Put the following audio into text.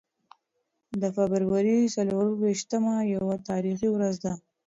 د فبرورۍ څلور ویشتمه یوه تاریخي ورځ ده.